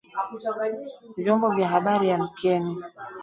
Vyombo vya habari amkeni